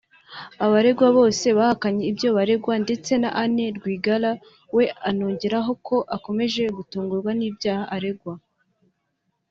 Abaregwa bose bahakanye ibyo baregwa ndetse Anne Rwigara we anongeraho ko akomeje gutungurwa n’ibyaha aregwa